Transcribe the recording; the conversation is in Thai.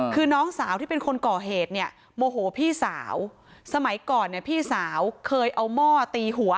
คือน้องสาวที่เป็นคนก่อเหตุเนี่ยโมโหพี่สาวสมัยก่อนเนี่ยพี่สาวเคยเอาหม้อตีหัว